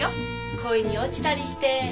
恋に落ちたりして。